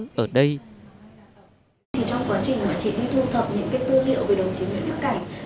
trong quá trình mà chị đi thu thập những cái tư liệu về đồng chí nguyễn đức cảnh